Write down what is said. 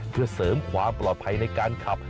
เพื่อเสริมความปลอดภัยในการขับ